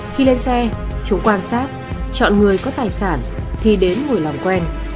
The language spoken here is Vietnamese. khi lên xe chúng quan sát chọn người có tài sản thì đến người làm quen